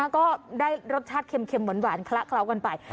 ก็ได้รสชาติเค็มหวานคละเคล้ากันไป